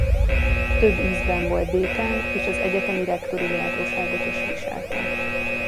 Több ízben volt dékán és az egyetemi rektori méltóságot is viselte.